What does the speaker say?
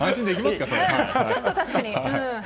ちょっと確かに。